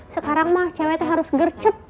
sekarang mah cewek harus gercep